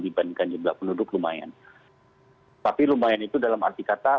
dibandingkan jumlah penduduk lumayan tapi lumayan itu dalam arti kata